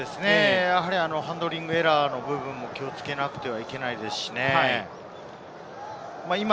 ハンドリングエラーの部分も気をつけなければいけないですしね。